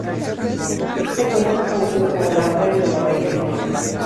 Este encuentro fue conocido como la "batalla de la bahía de Miyako".